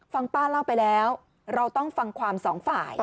ฟังป้าเล่าไปแล้วเราต้องฟังความสองฝ่าย